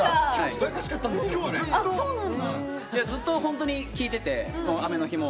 ずっと本当に聴いてて雨の日も。